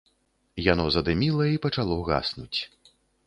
Яно задыміла і пачало гаснуць.